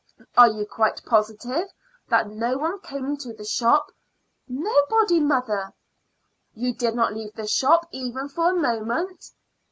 "Are you quite positive that no one came into the shop?" "Nobody, mother." "You did not leave the shop even for a moment?"